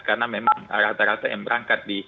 karena memang rata rata yang berangkat